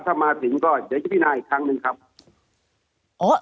ถ้ามาถึงก็เดี๋ยวจะพินาอีกครั้งหนึ่งครับ